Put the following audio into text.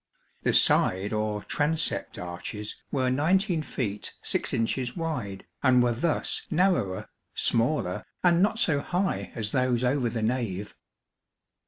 The side or transept arches were 19 feet 6 inches wide and were thus narrower, smaller, and not so high as those over the nave.